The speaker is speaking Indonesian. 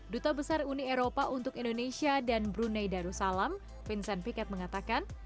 duta besar uni eropa untuk indonesia dan brunei darussalam vincent piket mengatakan